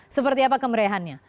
seperti apa kemeriahannya